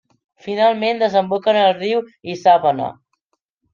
Finalment desemboca en el riu Isàvena.